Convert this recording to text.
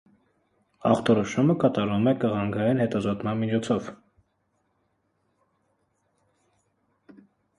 Ախտորոշումը կատարվում է կղանքային հետազոտման միջոցով։